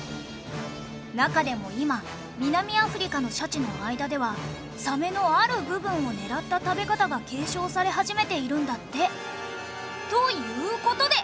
中でも今南アフリカのシャチの間ではサメのある部分を狙った食べ方が継承され始めているんだって。という事で。